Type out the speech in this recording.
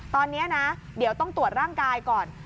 ตอนนี้นะเดี๋ยวต้องตรวจร่างกายก่อน